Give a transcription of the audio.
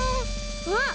あっ！